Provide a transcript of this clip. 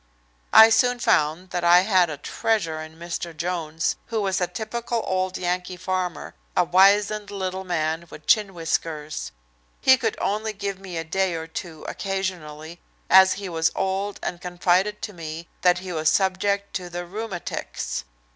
I soon found that I had a treasure in Mr. Jones, who was a typical old Yankee farmer, a wizened little man with chin whiskers. He could only give me a day or two occasionally, as he was old and confided to me that he was subject to "the rheumatics."